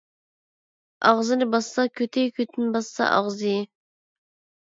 ئاغزىنى باسسا كۆتى، كۆتىنى باسسا ئاغزى.